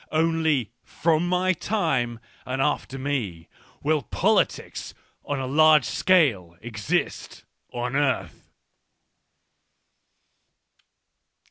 Only from my time and after me will politics on a large scale exist on earth.